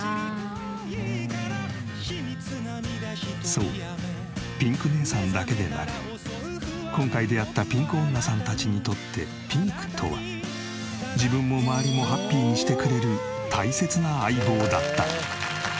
そうピンク姉さんだけでなく今回出会ったピンク女さんたちにとってピンクとは自分も周りもハッピーにしてくれる大切な相棒だった。